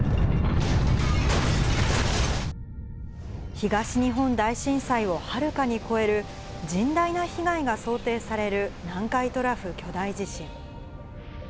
東日本大震災をはるかに超える、甚大な被害が想定される南海トラフ巨大地震。